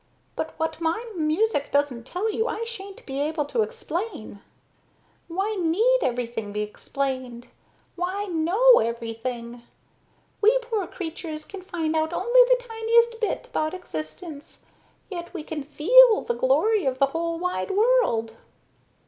But what my music doesn't tell you I shan't be able to explain. Why need everything be explained? Why know everything? We poor creatures can find out only the tiniest bit about existence. Yet we can feel the glory of the whole wide world."